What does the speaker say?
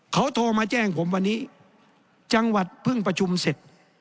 เขาโทรมาแจ้งผมวันนี้จังหวัดเพิ่งประชุมเสร็จ